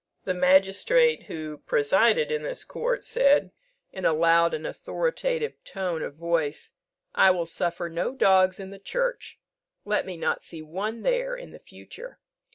The magistrate who presided in this court said, in a loud and authoritative tone of voice, "I will suffer no dogs in the church; let me not see one there in future."